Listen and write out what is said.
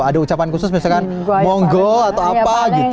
ada ucapan khusus misalkan monggo atau apa gitu